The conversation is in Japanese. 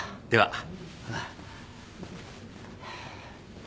では。